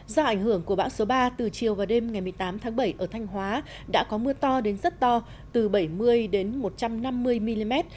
do ảnh hưởng của bão số ba từ chiều và đêm ngày một mươi tám tháng bảy ở thanh hóa đã có mưa to đến rất to từ bảy mươi đến một trăm năm mươi mm